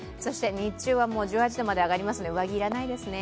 日中は１８度まで上がりますので上着は要らないですね。